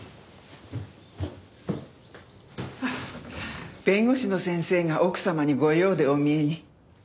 あっ弁護士の先生が奥様にご用でお見えに。